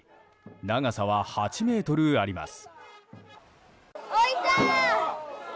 長さは８ｍあります。